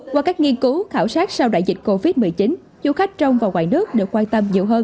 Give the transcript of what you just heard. qua các nghiên cứu khảo sát sau đại dịch covid một mươi chín du khách trong và ngoài nước được quan tâm nhiều hơn